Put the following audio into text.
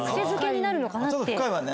づけになるのかなって。